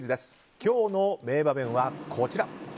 今日の名場面は、こちら。